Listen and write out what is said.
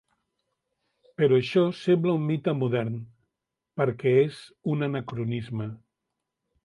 Però això sembla un mite modern, perquè és un anacronisme.